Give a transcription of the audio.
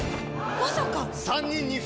まさか！